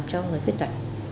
cho người khuyết tật